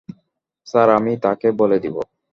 Sir, আমি-ই তাকে বলে দিবো।